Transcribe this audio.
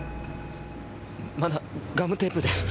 まだガムテープで。